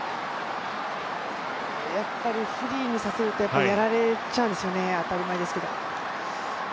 やっぱりフリーにさせるとやられちゃうんですよね、当たり前ですけれども。